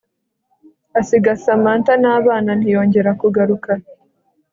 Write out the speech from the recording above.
asiga Samantha nabana ntiyongera kugaruka